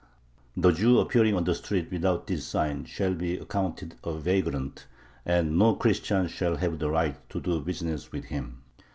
The Jew appearing on the street without this sign shall be accounted a vagrant, and no Christian shall have the right to do business with him.